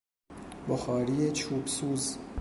بخاری چوب سوز